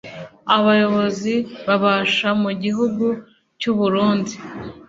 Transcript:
abayobozi babasha mu gihugu cy'u burundi